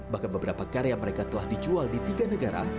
bahkan beberapa karya mereka telah dijual di tiga negara